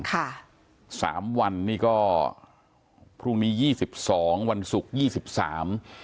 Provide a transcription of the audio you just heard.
ค่ะสามวันนี้ก็พรุ่งนี้ยี่สิบสองวันศุกร์ยี่สิบสาม